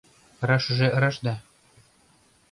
— Рашыже раш да...